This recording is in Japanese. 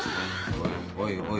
おいおいおい。